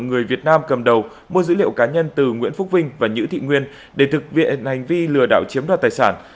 người việt nam cầm đầu mua dữ liệu cá nhân từ nguyễn phúc vinh và nhữ thị nguyên để thực hiện hành vi lừa đảo chiếm đoạt tài sản